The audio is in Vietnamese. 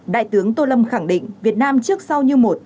đại tướng tô lâm khẳng định việt nam trước sau như một